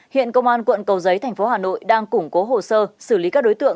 hiện công an quận cầu giấy tp hà nội đang củng cố hồ sơ